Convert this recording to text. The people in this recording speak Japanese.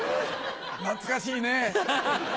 懐かしいねぇ。